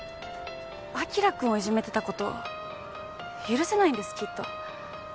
晶くんをいじめてた事許せないんですきっと。